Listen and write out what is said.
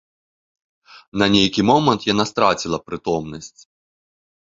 На нейкі момант яна страціла прытомнасць.